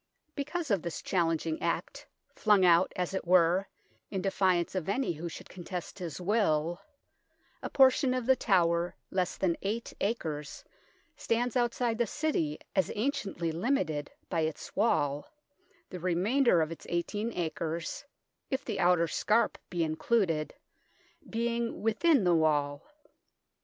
Because of this challenging act, flung out, as it were, in defiance of any who should contest his will, a portion of The Tower of less than eight acres stands outside the City as anciently limited by its wall, the remainder of its eighteen acres, if the outer scarp be included, being within the wall.